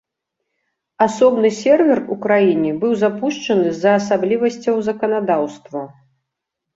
Асобны сервер у краіне быў запушчаны з-за асаблівасцяў заканадаўства.